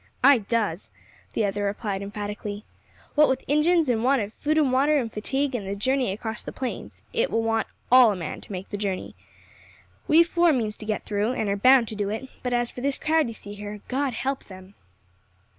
"I does," the other replied emphatically. "What with Injins, and want of food and water, and fatigue, and the journey across the plains, it will want all a man to make the journey. We four means to get through, and are bound to do it; but as for this crowd you see here, God help them!"